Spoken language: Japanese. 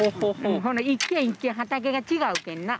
ほな一軒一軒畑が違うけんな。